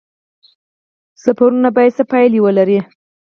سفرونه باید څه پایله ولري؟